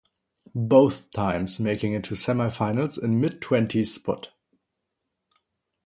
Both times making it to semi-finals in mid twenties spot.